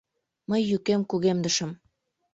Мый йӱкем кугемдышым: